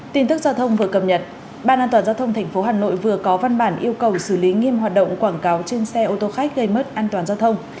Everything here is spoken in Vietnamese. tin tức giao thông vừa cập nhật ban an toàn giao thông tp hà nội vừa có văn bản yêu cầu xử lý nghiêm hoạt động quảng cáo trên xe ô tô khách gây mất an toàn giao thông